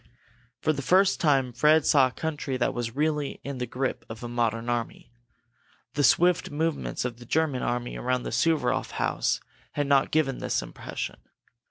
For the first time Fred saw a country that was really in the grip of a modern army. The swift movements of the German army around the Suvaroff house had not given this impression.